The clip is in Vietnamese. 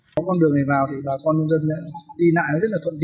có con đường này vào thì bà con dân đi lại rất là thuận lợi